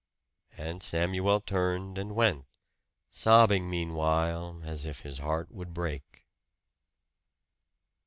And Samuel turned and went, sobbing meanwhile as if his heart would break.